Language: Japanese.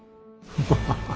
フハハハ